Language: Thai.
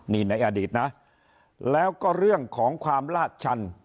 นี่ในอดีตนะแล้วก็เรื่องของความลาดชัน